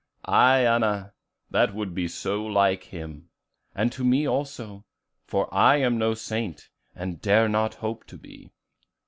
"Aye, Anna, that would be so like Him: and to me also, for I am no saint, and dare not hope to be."